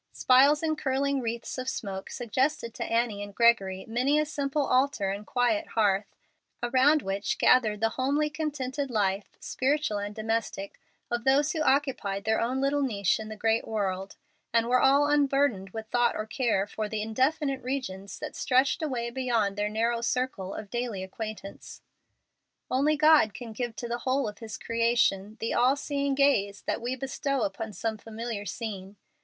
Spires and curling wreaths of smoke suggested to Annie and Gregory many a simple altar and quiet hearth, around which gathered the homely, contented life, spiritual and domestic, of those who occupied their own little niche in the great world, and were all unburdened with thought or care for the indefinite regions that stretched away beyond their narrow circle of daily acquaintance. Only God can give to the whole of His creation the all seeing gaze that we bestow upon some familiar scene.